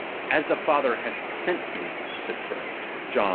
.4s the Father hath sent me, says Christ, (John xs.